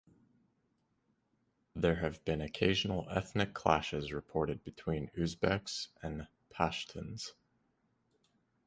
There have been occasional ethnic clashes reported between Uzbeks and Pashtuns.